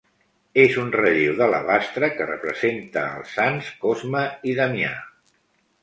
És un relleu d'alabastre que representa els sants Cosme i Damià.